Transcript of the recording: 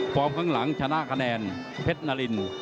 ข้างหลังชนะคะแนนเพชรนาริน